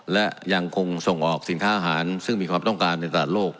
และยังคงส่งออกสินค้าอาหารซึ่งมีความต้องการในตลาดโลก